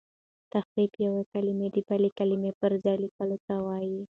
تحريف یو کلمه د بلي کلمې پر ځای لیکلو ته وايي.